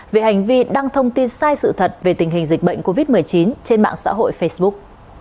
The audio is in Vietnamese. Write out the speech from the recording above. về hành vi đăng thông tin sai sự thật về tình hình dịch bệnh covid một mươi chín trên mạng xã hội facebook